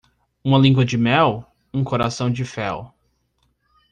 Uma língua de mel? um coração de fel